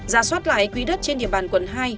giả soát lại quỹ đất trên địa bàn quận hai